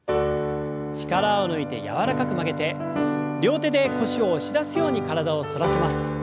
力を抜いて柔らかく曲げて両手で腰を押し出すように体を反らせます。